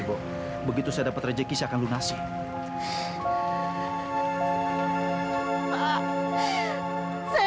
bok tak tahu ada yang akan datang kecil apa yang akan pac hampir orangtua saran